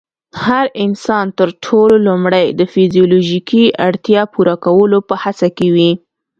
هر انسان تر ټولو لومړی د فزيولوژيکي اړتیا پوره کولو په هڅه کې وي.